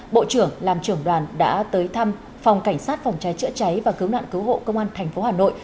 bộ trưởng làm trưởng đoàn đã tới thăm phòng cảnh sát phòng cháy chữa cháy và cứu nạn cứu hộ công an tp hà nội